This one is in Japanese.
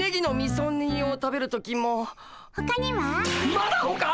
まだほか！？